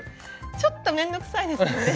ちょっとめんどくさいですよね。